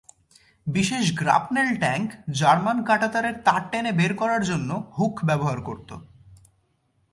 বিশেষ "grapnel tank" German কাঁটাতারের তার টেনে বের করার জন্য হুক ব্যবহার করত।